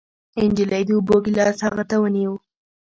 نجلۍ د اوبو ګېلاس هغه ته ونيو.